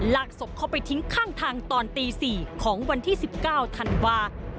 ลากศพเข้าไปทิ้งข้างทางตอนตี๔ของวันที่๑๙ธันวา